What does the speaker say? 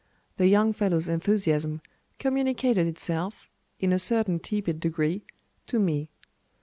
The young fellow's enthusiasm communicated itself, in a certain tepid degree, to me.